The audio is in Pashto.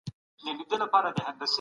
د ژور تحلیل ضرورت د اطمینان سبب کیږي.